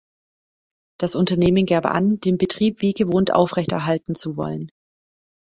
Das Unternehmen gab an, den Betrieb wie gewohnt aufrechterhalten zu wollen.